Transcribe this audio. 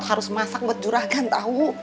harus masak buat juragan tau